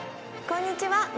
こんにちは。